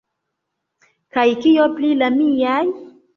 Kaj kio pri la miaj?